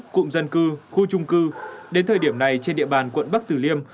cụm dân cư khu trung cư đến thời điểm này trên địa bàn quận bắc tử liêm